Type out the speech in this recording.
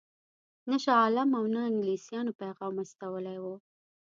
نه شاه عالم او نه انګلیسیانو پیغام استولی وو.